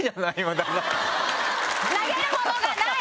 投げるものがない！